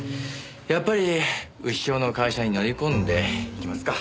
やっぱり潮の会社に乗り込んで行きますか。